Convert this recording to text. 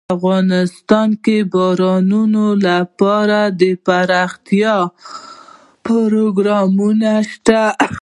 افغانستان کې د بارانونو لپاره دپرمختیا پروګرامونه شته.